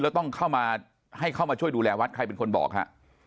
แล้วต้องเข้ามาให้เข้ามาช่วยดูแลวัดใครเป็นคนบอกฮะ